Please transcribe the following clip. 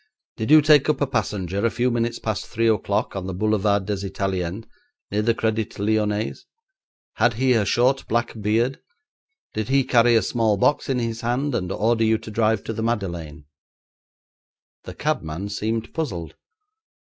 'Did you take up a passenger a few minutes past three o'clock on the Boulevard des Italiens, near the Crédit Lyonnais? Had he a short black beard? Did he carry a small box in his hand and order you to drive to the Madeleine?' The cabman seemed puzzled.